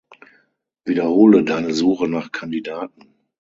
Wiederhole deine Suche nach Kandidaten.